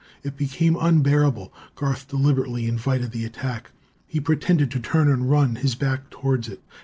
It became unbearable. Garth deliberately invited the attack. He pretended to turn and run, his back towards it.